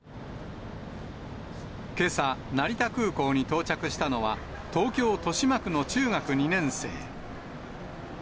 けさ、成田空港に到着したのは、東京・豊島区の中学２年生。